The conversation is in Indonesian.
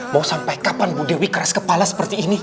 mau sampai kapan bu dewi keras kepala seperti ini